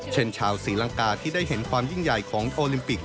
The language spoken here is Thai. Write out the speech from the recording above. ชาวศรีลังกาที่ได้เห็นความยิ่งใหญ่ของโอลิมปิก